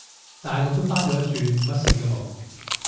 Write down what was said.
大陸都返咗一轉，乜事都冇